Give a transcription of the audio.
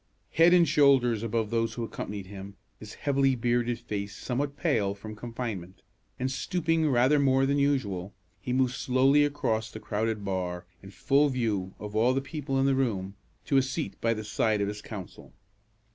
Head and shoulders above those who accompanied him, his heavily bearded face somewhat pale from confinement, and stooping rather more than usual, he moved slowly across the crowded bar, in full view of all the people in the room, to a seat by the side of his counsel.